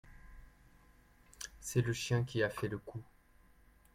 C'est le chien qui a fait le coup.